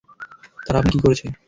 তারা আপনার কী করেছে?